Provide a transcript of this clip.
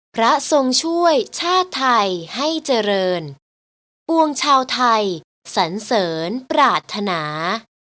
พระทรงช่วยชาติไทยให้เจริญปวงชาวไทยสันเสริญปรารถนา